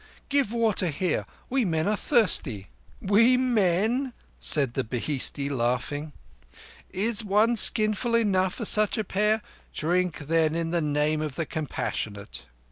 "Give water here. We men are thirsty." "We men!" said the bhistie, laughing. "Is one skinful enough for such a pair? Drink, then, in the name of the Compassionate."